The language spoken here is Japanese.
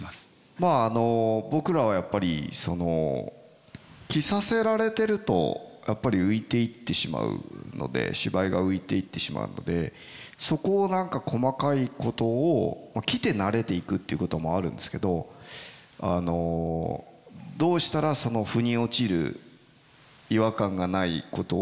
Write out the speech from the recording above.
まあ僕らはやっぱり着させられてるとやっぱり浮いていってしまうので芝居が浮いていってしまうのでそこを何か細かいことを着て慣れていくっていうこともあるんですけどどうしたらふに落ちる違和感がないことをできるかってことを一緒に考えてくださる。